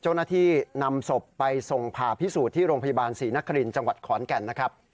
เจ้าหน้าที่นำศพไปส่งผ่าพิสูจน์ที่โรงพยาบาลศรีนครินทร์จังหวัดขอนแก่นนะครับ